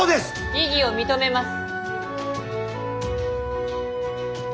異議を認めます。